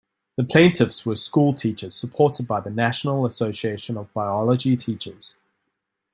The plaintiffs were school teachers supported by the National Association of Biology Teachers.